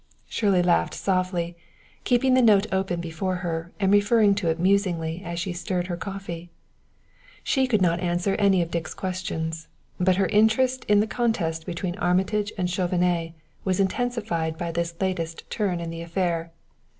Shirley laughed softly, keeping the note open before her and referring to it musingly as she stirred her coffee. She could not answer any of Dick's questions, but her interest in the contest between Armitage and Chauvenet was intensified by this latest turn in the affair.